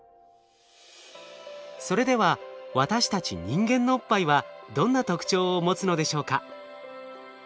それでは私たち人間のおっぱいはどんな特徴を持つのでしょうか？